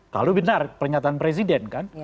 kalau benar pernyataan presiden kan